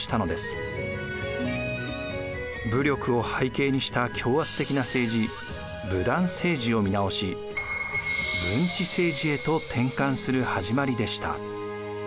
武力を背景にした強圧的な政治武断政治を見直し文治政治へと転換する始まりでした。